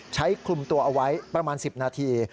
ใช้คลุมตัวเอาไว้ประมาณ๑๐นาที